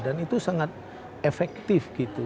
dan itu sangat efektif gitu